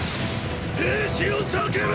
兵士よ叫べ！！